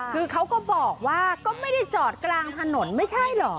คือเขาก็บอกว่าก็ไม่ได้จอดกลางถนนไม่ใช่เหรอ